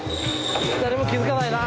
誰も気付かないな。